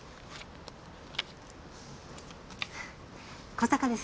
小坂です。